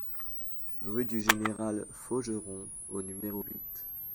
Rue du Général Faugeron au numéro huit